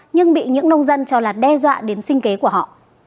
nhưng bị những nông dân cho là đe dọa đến sinh kế của họ